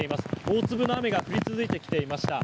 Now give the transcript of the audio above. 大粒の雨が降り続いてきました。